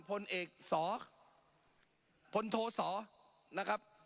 พลเอกสอพลโทสอนะครับ